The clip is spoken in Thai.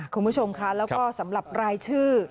คุณผู้ชมค่ะแล้วก็สำหรับรายชื่อ